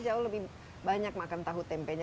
jauh lebih banyak makan tahu tempenya